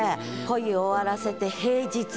恋を終わらせて平日。